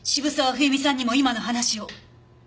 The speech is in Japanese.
冬水さんにも今の話を？